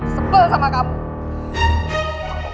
sebel sama kamu